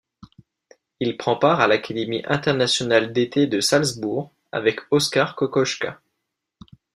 Il prend part à l'Académie internationale d'été de Salzbourg, avec Oskar Kokoschka.